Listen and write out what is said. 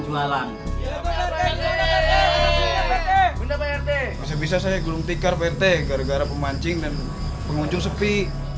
masih bisa saya gulung tikar pt gara gara pemancing dan pengunjung sepi